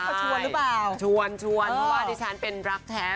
เขาชวนหรือเปล่าชวนชวนเพราะว่าดิฉันเป็นรักแท้